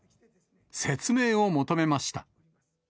説明を求めました。